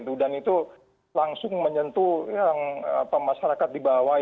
karena memang di masa lalu kan satu kementerian ini kan banyak masalah ya bantuan bantuan itu